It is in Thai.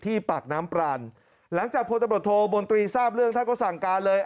ปากน้ำปรานหลังจากพลตำรวจโทมนตรีทราบเรื่องท่านก็สั่งการเลย